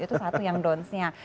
itu satu yang don'ts nya